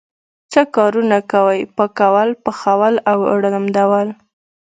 څه کارونه کوئ؟ پاکول، پخول او اوړه لمدول